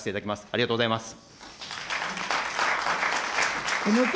ありがとうございます。